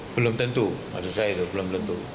belum tentu maksud saya itu belum tentu